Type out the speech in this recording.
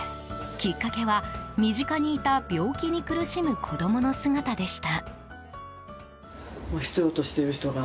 きっかけは、身近にいた病気に苦しむ子供の姿でした。